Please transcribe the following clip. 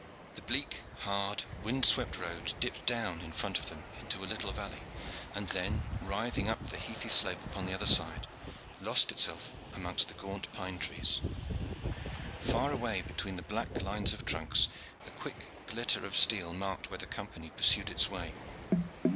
The bleak, hard, wind swept road dipped down in front of them into a little valley, and then, writhing up the heathy slope upon the other side, lost itself among the gaunt pine trees. Far away between the black lines of trunks the quick glitter of steel marked where the Company pursued its way.